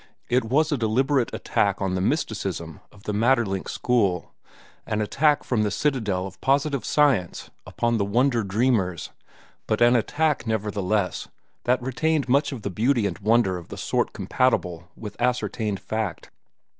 It was a deliberate attack on the mysticism of the Maeterlinck school—an attack from the citadel of positive science upon the wonder dreamers, but an attack nevertheless that retained much of beauty and wonder of the sort compatible with ascertained fact.